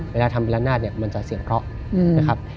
เวลาทำละนาดเนี่ยมันจะเสี่ยงเลาะนะครับ